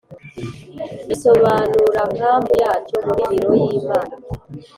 Isobanurampamvu Yacyo muri Biro Y Inama